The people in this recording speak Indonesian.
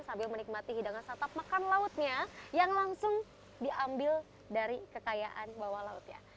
sambil menikmati hidangan satap makan lautnya yang langsung diambil dari kekayaan bawah lautnya